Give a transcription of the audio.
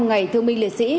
ngày thương minh liệt sĩ